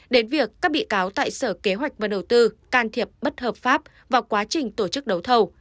đến việc các bị cáo tại sở kế hoạch và đầu tư can thiệp bất hợp pháp vào quá trình tổ chức đấu thầu